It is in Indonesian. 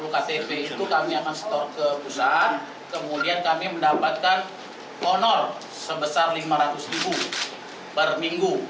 satu ratus empat puluh ktp itu kami akan store ke pusat kemudian kami mendapatkan honor sebesar lima ratus ribu per minggu